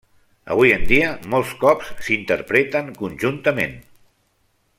Avui en dia, molts cops s'interpreten conjuntament.